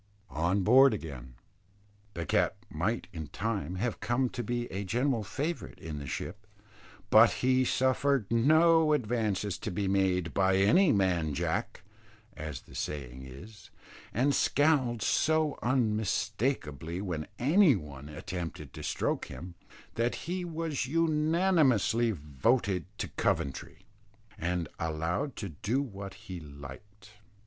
ON BOARD AGAIN. The cat might in time have come to be a general favourite in the ship; but he suffered no advances to be made by "any man Jack," as the saying is, and scowled so unmistakably when any one attempted to stroke him, that he was unanimously voted to Coventry, and allowed to do what he liked.